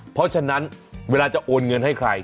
เพราะฉะนั้นเวลาจะโอนเงินให้ใคร